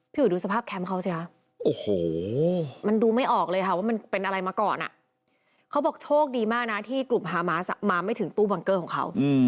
พี่หยุดดูสภาพแคมป์เขาสิคะ